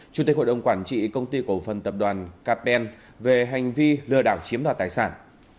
chủ tịch hội đồng quản trị công ty cổ phần tập đoàn capel về hành vi lừa đảo chiếm đoạt tài sản